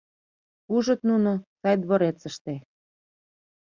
Ужыт нуно: сай дворецыште